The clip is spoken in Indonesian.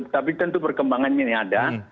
tapi tentu perkembangannya ini ada